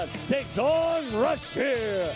จะเป็นรัชเชียร์